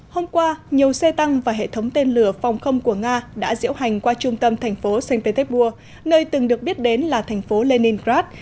hôm qua nhiều xe tăng và hệ thống tên lửa phòng không của nga đã diễu hành qua trung tâm thành phố saint petersburg nơi từng được biết đến là thành phố leningrad nhân kỷ niệm bảy mươi năm năm giải phóng leningrad